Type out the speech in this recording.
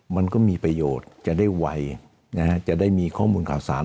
มันก็มีประโยชน์จะได้มีข้อมูลข่าวสาร